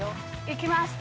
いきます。